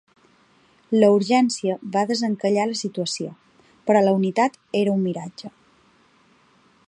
La urgència va desencallar la situació, però la unitat era un miratge.